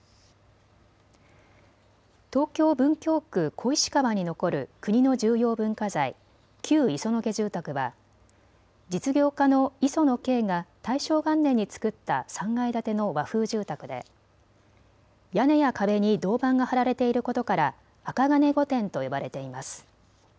東京文京区小石川に残る国の重要文化財、旧磯野家住宅は実業家の磯野敬が大正元年に作った３階建ての和風住宅で屋根や壁に銅板が張られていることから銅御殿と呼ばれています。